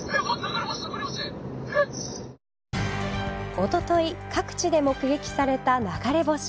おととい各地で目撃された流れ星。